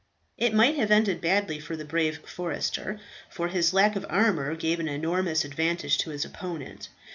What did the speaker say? It might have ended badly for the brave forester, for his lack of armour gave an enormous advantage to his opponent.